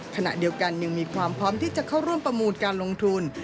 ขณะเดียวกันยังมีความพร้อมที่จะเข้าร่วมประมูลการลงทุน